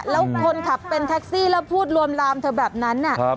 แล้วคนขับเป็นแท็กซี่แล้วพูดรวมลามเธอแบบนั้น